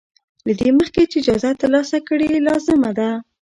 له دې مخکې چې جايزه ترلاسه کړې لازمه ده.